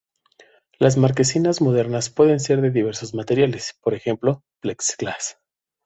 Las "marquesinas" modernas pueden ser de diversos materiales, por ejemplo, plexiglás.